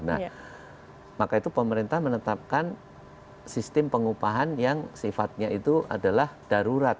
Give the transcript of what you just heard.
nah maka itu pemerintah menetapkan sistem pengupahan yang sifatnya itu adalah darurat